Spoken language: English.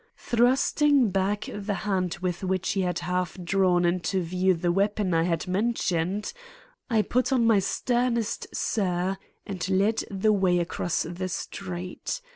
Thrusting back the hand with which he had half drawn into view the weapon I had mentioned, I put on my sternest sir and led the way across the street.